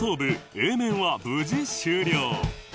Ａ 面は無事終了